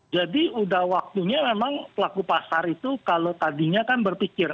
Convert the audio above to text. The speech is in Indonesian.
jadi udah waktunya memang pelaku pasar itu kalau tadinya kan berpikir